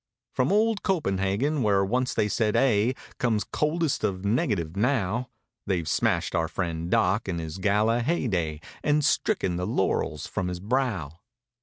From old Copenhagen, where once they said "aye," Comes coldest of negative now. They've smashed our friend Doc, in his gala hey day. And stricken the laurels from his brow.